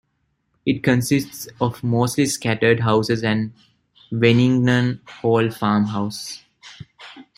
It consists of mostly scattered houses and the Wennington Hall farmhouse.